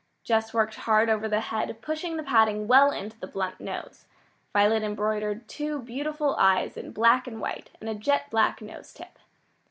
Jess worked hard over the head, pushing the padding well into the blunt nose. Violet embroidered two beautiful eyes in black and white, and a jet black nose tip.